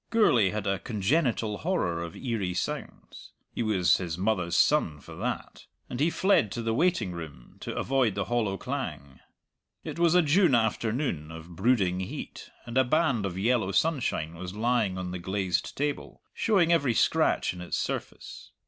Gourlay had a congenital horror of eerie sounds he was his mother's son for that and he fled to the waiting room, to avoid the hollow clang. It was a June afternoon, of brooding heat, and a band of yellow sunshine was lying on the glazed table, showing every scratch in its surface.